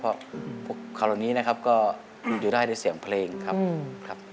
เพราะพวกคราวเหล่านี้นะครับก็มีอยู่ได้ด้วยเสียงเพลงครับครับ